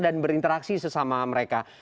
dan berinteraksi sesama mereka